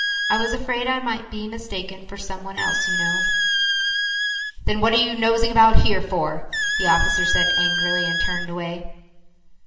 I was afraid I might be mistaken for some one else you know." "Then what are you nosing about here for?" the officer said angrily, and turned away.